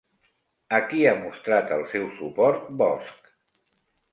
A qui ha mostrat el seu suport Bosch?